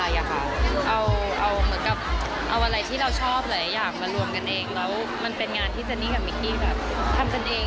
เอาเหมือนกับเอาอะไรที่เราชอบหรืออะไรอย่างมารวมกันเอง